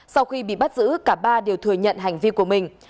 sau khi bị bắt giữ cả ba đều thừa nhận hành vi của mình